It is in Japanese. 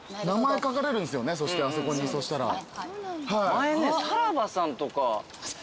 前ねさらばさんとか。